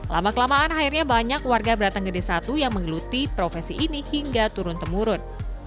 lama kelamaan akhirnya banyak warga beratang gede satu yang menggeluti profesi ini hingga turun temurun